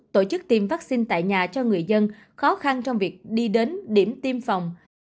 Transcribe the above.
tổ chức tiêm vaccine tại nhà cho người dân khó khăn trong việc đi đến điểm tiêm phòng